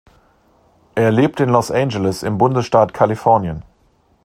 Er lebt in Los Angeles im Bundesstaat Kalifornien.